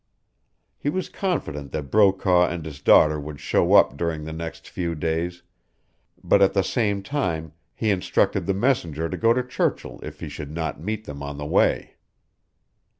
He was confident that Brokaw and his daughter would show up during the next few days, but at the same time he instructed the messenger to go to Churchill if he should not meet them on the way.